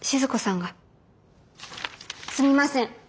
すみません。